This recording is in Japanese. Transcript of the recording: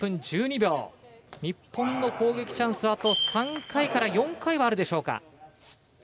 日本の攻撃チャンスはあと３回から４回はあるでしょうか。